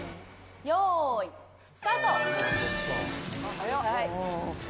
よーい、スタート。